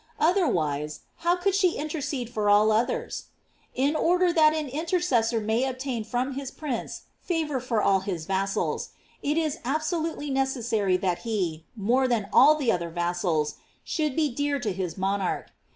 Otherwise, how could she intercede for all others? In order that an intercessor may ob tain from his prince favor for all his vassals, it is absolutely necessary that he, more than all the other vassals, should be dear to his mon arch.